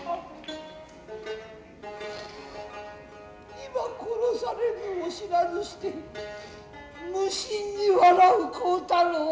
今殺されるも知らずして無心に笑う幸太郎。